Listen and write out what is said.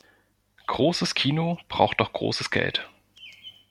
Großes Kino braucht auch großes Geld.